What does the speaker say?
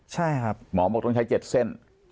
หมอบอกต้องใช้๗เส้น